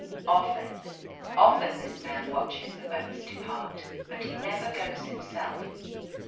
Often, often this man watches the boats depart, but he never goes himself.